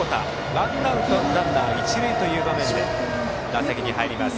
ワンアウトランナー、一塁という場面で打席に入ります。